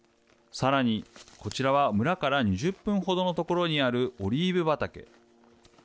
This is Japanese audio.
さらに、こちらは村から２０分程の所にあるオリーブ畑。